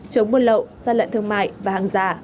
chống buôn lậu gian lận thương mại và hàng giả